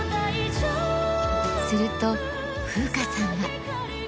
すると、風花さんが。